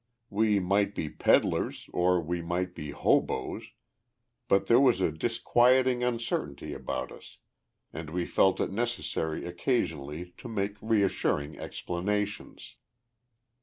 We might be peddlers, or we might be "hoboes," but there was a disquieting uncertainty about us, and we felt it necessary occasionally to make reassuring explanations.